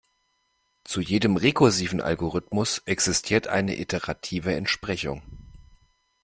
Zu jedem rekursiven Algorithmus existiert eine iterative Entsprechung.